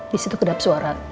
di situ kedap suara